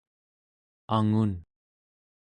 angun